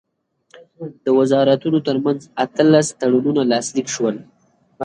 د وزارتونو ترمنځ اتلس تړونونه لاسلیک شول.